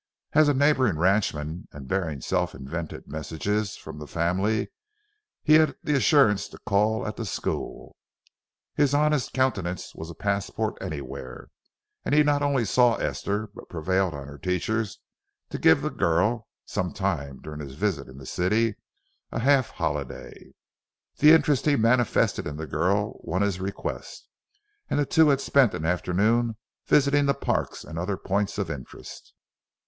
As a neighboring ranchman, and bearing self invented messages from the family, he had the assurance to call at the school. His honest countenance was a passport anywhere, and he not only saw Esther but prevailed on her teachers to give the girl, some time during his visit in the city, a half holiday. The interest he manifested in the girl won his request, and the two had spent an afternoon visiting the parks and other points of interest.